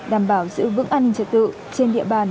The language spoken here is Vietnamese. đảm bảo giữ vững an ninh trật tự trên địa bàn